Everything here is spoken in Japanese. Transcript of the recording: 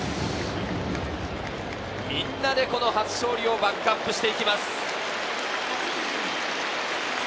みんなで初勝利をバックアップしていきます。